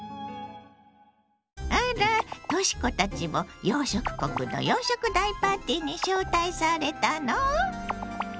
あらとし子たちも洋食国の洋食大パーティーに招待されたの？